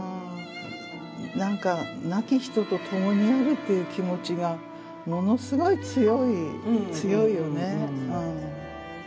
何か亡き人と共にあるっていう気持ちがものすごい強いよね。